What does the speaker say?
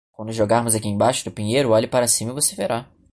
Quando jogarmos aqui embaixo do pinheiro, olhe para cima e você verá.